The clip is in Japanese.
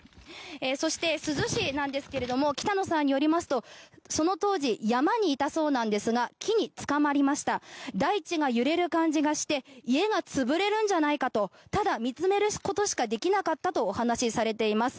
そして、珠洲市なんですがキタノさんによりますとその当時山にいたそうなんですが木につかまりました大地が揺れる感じがして家が潰れるんじゃないかとただ見つめることしかできなかったとお話しされています。